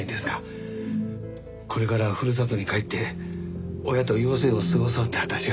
これからふるさとに帰って親と余生を過ごそうっていうあたしが。